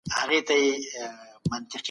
روښانه فکر باور نه خرابوي.